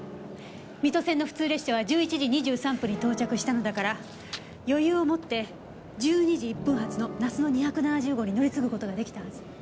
水戸線の普通列車は１１時２３分に到着したのだから余裕を持って１２時１分発のなすの２７０号に乗り継ぐ事が出来たはず。